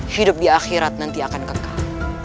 hidup di akhirat nanti akan kekal